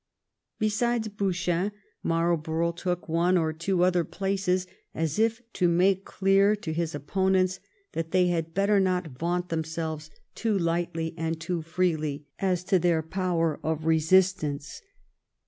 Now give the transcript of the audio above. Besides Bouchain Marlborough took one or two other places, as if to make clear to his opponents that they had better not vaunt themselves too lightly and too freely as to their power of resistance.